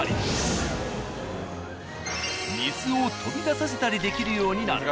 水を飛び出させたりできるようになる。